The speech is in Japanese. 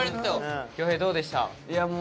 恭平どうでした？